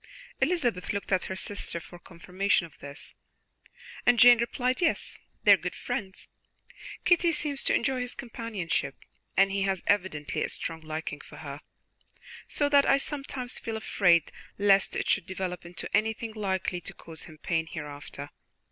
Elizabeth looked at her sister for confirmation of this, and Jane replied: "Yes, they are good friends. Kitty seems to enjoy his companionship, and he has evidently a strong liking for her, so that I sometimes feel afraid lest it should develop into anything likely to cause him pain hereafter.